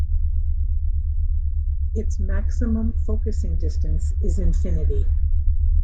Its maximum focusing distance is infinity.